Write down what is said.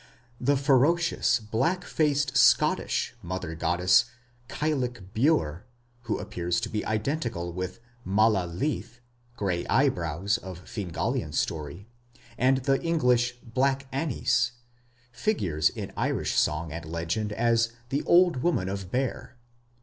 The ferocious, black faced Scottish mother goddess, Cailleach Bheur, who appears to be identical with Mala Lith, "Grey Eyebrows" of Fingalian story, and the English "Black Annis", figures in Irish song and legend as "The Old Woman of Beare".